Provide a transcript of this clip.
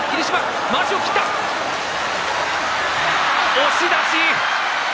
押し出し。